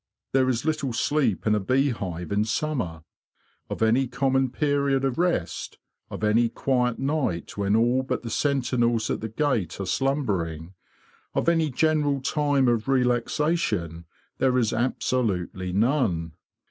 There is little sleep in a bee hive in summer. Of any common period of rest, of any quiet night when all but the sentinels at the gate are slumbering, of any general time of relaxation, there is absolutely none.